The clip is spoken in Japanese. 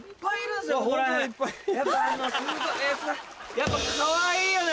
やっぱかわいいよね